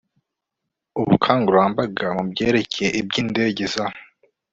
ubukagurambaga mu byerekeye iby indege za